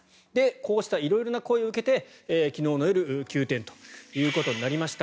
こうした色々な声を受けて昨日の夜急転ということになりました。